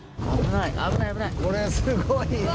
これすごいな。